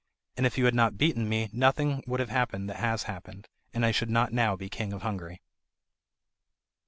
And if you had not beaten me nothing would have happened that has happened, and I should not now be King of Hungary."